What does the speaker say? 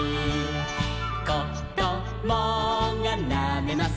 「こどもがなめます